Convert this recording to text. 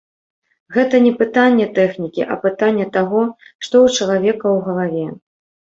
Гэта не пытанне тэхнікі, а пытанне таго, што ў чалавека ў галаве.